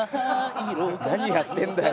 何やってんだよ。